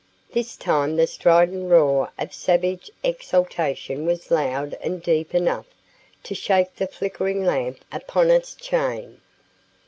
This time the strident roar of savage exultation was loud and deep enough to shake the flickering lamp upon its chain.